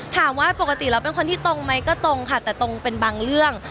ถามว่าปกติเราเป็นคนที่ตรงไหมก็ตรงค่ะแต่ตรงเป็นบางเรื่อง